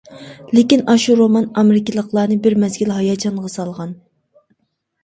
لېكىن ئاشۇ رومان ئامېرىكىلىقلارنى بىر مەزگىل ھاياجانغا سالغان.